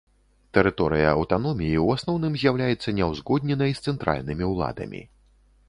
Тэрыторыя аўтаноміі ў асноўным з'яўляецца няўзгодненай з цэнтральнымі ўладамі.